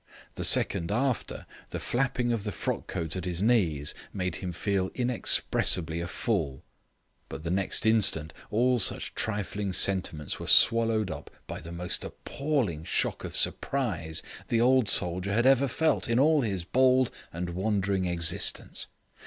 The second after, the flapping of the frock coat at his knees made him feel inexpressibly a fool. But the next instant all such trifling sentiments were swallowed up by the most appalling shock of surprise the old soldier had ever felt in all his bold and wandering existence.